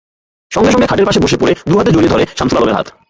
সঙ্গে সঙ্গে খাটের পাশে বসে পড়ে দু-হাতে জড়িয়ে ধরে শামসুল আলমের হাত।